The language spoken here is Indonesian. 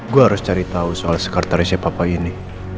gua harus cari tahu soal sekartarisnya papa ini